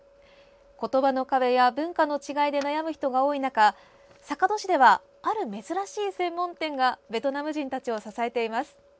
言葉の壁や文化の違いで悩む人が多い中、坂戸市ではある珍しい専門店がベトナム人たちを支えています。